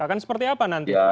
akan seperti apa nanti